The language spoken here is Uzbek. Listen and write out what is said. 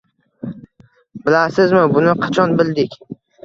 Bilasizmi, buni qachon bildik?